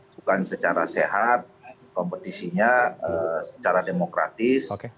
bukan secara sehat kompetisinya secara demokratis